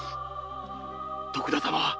徳田様。